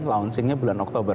launchingnya bulan oktober